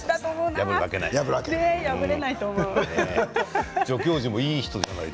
破るわけがない。